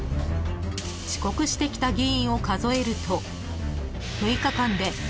［遅刻してきた議員を数えると］